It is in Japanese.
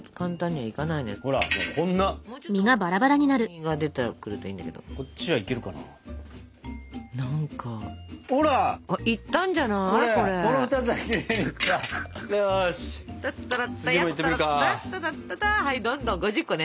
はいどんどん５０個ね！